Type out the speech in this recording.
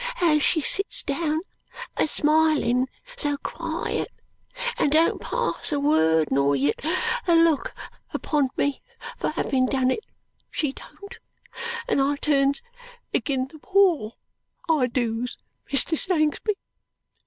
And she sits down a smilin so quiet, and don't pass a word nor yit a look upon me for having done it, she don't, and I turns agin the wall, I doos, Mr. Sangsby.